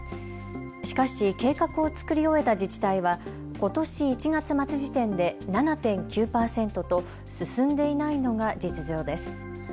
しかし計画を作り終えた自治体はことし１月末時点で７．９％と進んでいないのが実情です。